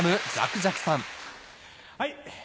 はい。